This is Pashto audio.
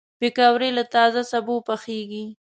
پکورې له تازه سبو پخېږي